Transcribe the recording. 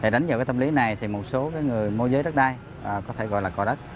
đánh dấu tâm lý này một số người mua giới đất đai có thể gọi là cầu đất